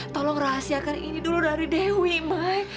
tolong rahasiakan ini dulu dari dewi may